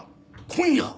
今夜？